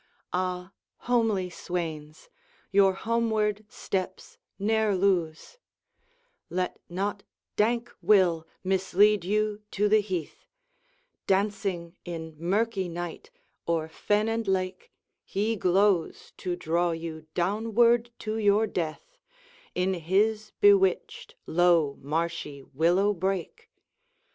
Ah, homely swains! your homeward steps ne'er lose; Let not dank Will mislead you to the heath: Dancing in mirky night, o'er fen and lake, He glows, to draw you downward to your death, In his bewitched, low, marshy willow brake!